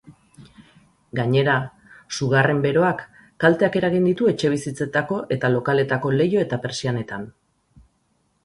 Gainera, sugarren beroak kalteak eragin ditu etxebizitzetako eta lokaletako leiho eta pertsianetan.